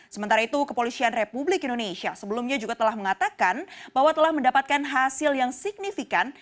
sementara itu kepolisian republik indonesia sebelumnya juga telah mengatakan bahwa telah mendapatkan hasil yang signifikan